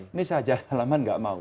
ini saja halaman nggak mau